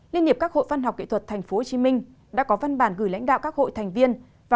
liên hiệp các hội văn học kỹ thuật tp hcm đã có văn bản gửi lãnh đạo các hội thành viên